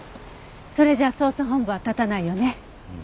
それじゃ捜査本部は立たないよね。